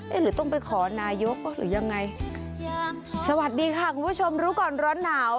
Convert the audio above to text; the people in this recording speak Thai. หรือต้องไปขอนายกหรือยังไงสวัสดีค่ะคุณผู้ชมรู้ก่อนร้อนหนาว